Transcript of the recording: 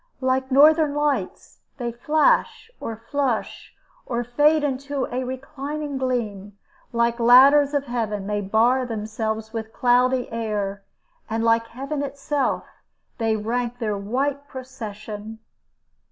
Like northern lights, they flash, or flush, or fade into a reclining gleam; like ladders of heaven, they bar themselves with cloudy air; and like heaven itself, they rank their white procession.